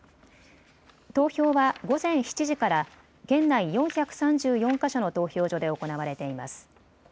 投票は午前７時から県内４３４か所の投票所で行われています。